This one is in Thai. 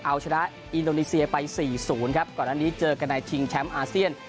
เอาชนะอินโดนีเซียไป๔๐ครับก่อนอันนี้เจอกันในชิงแชมป์อาเซียน